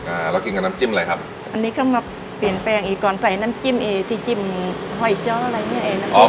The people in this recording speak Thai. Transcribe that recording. อ่าแล้วกินกับน้ำจิ้มอะไรครับอันนี้ก็มาเปลี่ยนแปลงอีกก่อนใส่น้ำจิ้มเอที่จิ้มหอยเจาะอะไรอย่างเงี้เอนะคะ